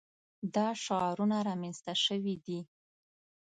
دا شعارونه رامنځته شوي دي.